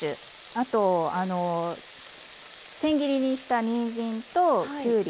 あとせん切りにしたにんじんときゅうり。